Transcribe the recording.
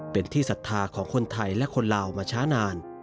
เป็นที่ศรัทธาของคนไทยและคนลาวมาช้านาน